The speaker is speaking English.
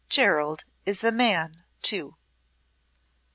"Gerald is a Man, too."